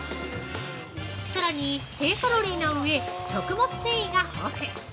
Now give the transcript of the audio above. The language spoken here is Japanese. さらに低カロリーな上、食物繊維が豊富！